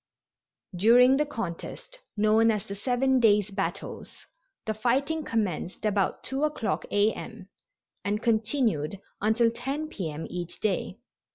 During the contest known as the "seven days' battles" the fighting commenced about 2 o'clock A. M., and continued until 10 P. M. each day.